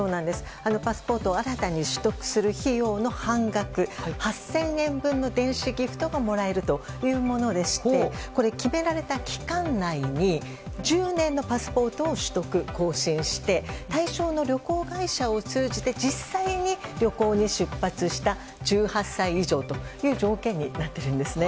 パスポートを新たに取得する費用の半額８０００円分の電子ギフトがもらえるものでして決められた期間内に１０年のパスポートを取得・更新して対象の旅行会社を通じて実際に旅行に出発した１８歳以上という条件になっているんですね。